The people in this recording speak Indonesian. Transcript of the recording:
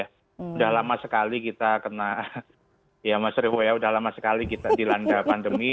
sudah lama sekali kita kena ya mas revo ya sudah lama sekali kita dilanda pandemi